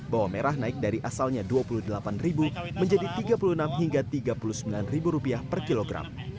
bawang merah naik dari asalnya rp dua puluh delapan menjadi rp tiga puluh enam hingga rp tiga puluh sembilan per kilogram